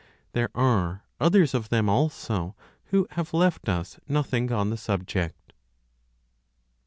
There are others of them, also, who have left us nothing on the subject.